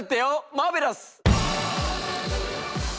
マーベラス！